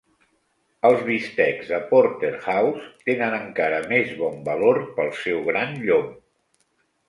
Els bistecs de Porterhouse tenen encara més bon valor pel seu gran llom.